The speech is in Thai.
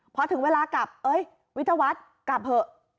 เพราะถึงเวลากลับเฮ้ยวิทวัฒน์กลับเผลอ